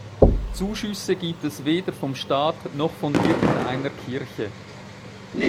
Zuschüsse gibt es weder vom Staat noch von irgendeiner Kirche.